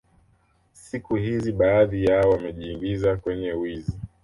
Siku hzi baadhi yao wamejiingiza kwenye wizi